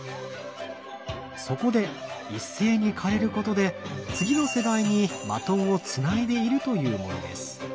そこで一斉に枯れることで次の世代にバトンをつないでいるというものです。